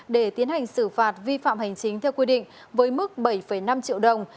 để tiến hành xử phạt vi phạm hành chính theo quy định với mức bảy năm triệu đồng